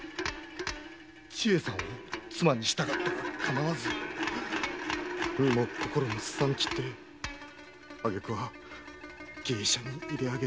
千恵さんを妻にしたかったがかなわず身も心もすさみきってあげくは芸者に入れあげ。